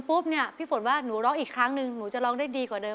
เนี่ยพี่ฝนว่าหนูร้องอีกครั้งหนึ่งหนูจะร้องได้ดีกว่าเดิม